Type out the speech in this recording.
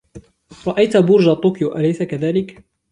رأيت برج طوكيو, اليس كذلك ؟